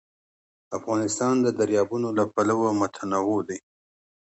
افغانستان د دریابونه له پلوه متنوع دی.